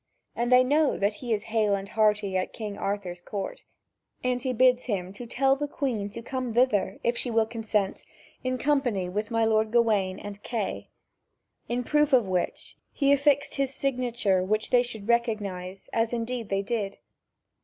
And know that he is now hale and hearty at King Arthur's court, and he bids him tell the Queen to come thither, if she will consent, in company with my lord Gawain and Kay. In proof of which, he affixed his signature which they should recognise, as indeed they did.